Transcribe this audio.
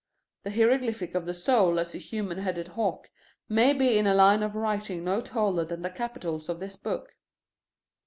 The hieroglyphic of the soul as a human headed hawk may be in a line of writing no taller than the capitals of this book.